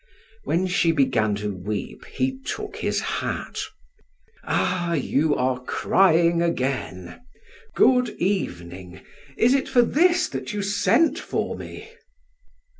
When she began to weep, he took his hat: "Ah, you are crying again! Good evening! Is it for this that you sent for me?"